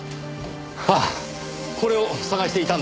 あっこれを探していたんですがね